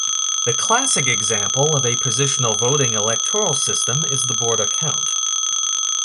The classic example of a positional voting electoral system is the Borda count.